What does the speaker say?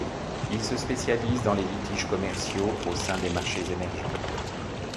Ils se spécialisent dans les litiges commerciaux au sein des marchés émergents.